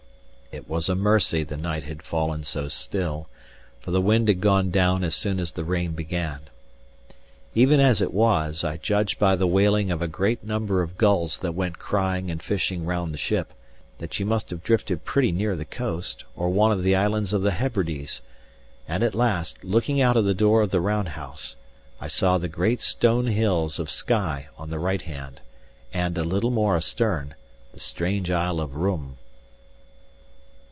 It was a mercy the night had fallen so still, for the wind had gone down as soon as the rain began. Even as it was, I judged by the wailing of a great number of gulls that went crying and fishing round the ship, that she must have drifted pretty near the coast or one of the islands of the Hebrides; and at last, looking out of the door of the round house, I saw the great stone hills of Skye on the right hand, and, a little more astern, the strange isle of Rum.